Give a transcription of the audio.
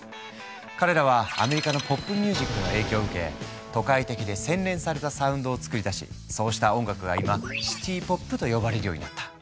彼らはアメリカのポップミュージックの影響を受け都会的で洗練されたサウンドを作り出しそうした音楽が今シティ・ポップと呼ばれるようになった。